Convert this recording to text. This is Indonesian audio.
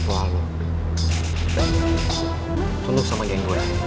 tunggu sama geng gue